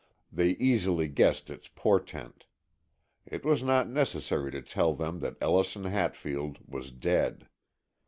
They easily guessed its portent. It was not necessary to tell them that Ellison Hatfield was dead.